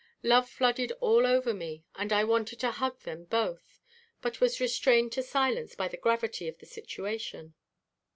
Love flooded all over me and I wanted to hug them both but was restrained to silence by the gravity of the situation.